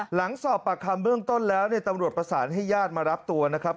หลังสอบปากคำเบื้องต้นแล้วเนี่ยตำรวจประสานให้ญาติมารับตัวนะครับ